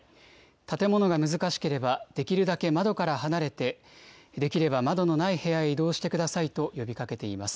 建物が難しければ、できるだけ窓から離れて、できれば窓のない部屋に移動してくださいと呼びかけています。